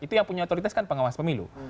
itu yang punya otoritas kan pengawas pemilu